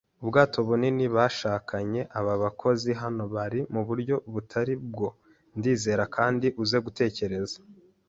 'Ubwato bunini, bashakanye! Aba bakozi hano bari muburyo butari bwo, ndizera. Kandi uze gutekereza